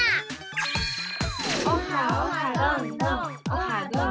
オハオハどんどん！